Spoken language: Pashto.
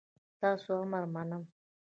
ستاسو امر منم